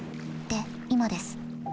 で今です。